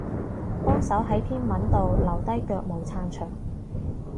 幫手喺篇文度留低腳毛撐場